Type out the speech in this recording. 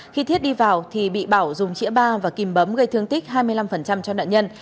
khi thiết đi vào thì bị bảo dùng chĩa ba và kìm bấm gây thương tích hai mươi năm cho nạn nhân